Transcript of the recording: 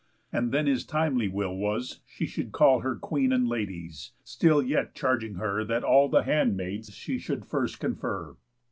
And then his timely will was, she should call Her Queen and ladies; still yet charging her That all the handmaids she should first confer.